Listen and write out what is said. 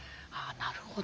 なるほど。